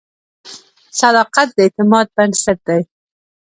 • صداقت د اعتماد بنسټ دی.